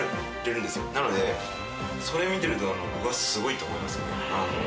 なのでそれ見てるとうわっすごいと思います。